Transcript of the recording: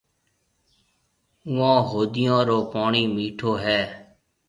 اُوئون هوديون رو پوڻِي مِٺو هيَ۔